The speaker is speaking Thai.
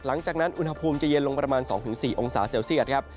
หลังจากนั้นอุณหภูมิจะเย็นลงประมาณ๒๔องศาเซลเซียตครับ